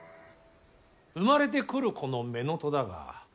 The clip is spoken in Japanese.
生まれてくる子の乳母だが。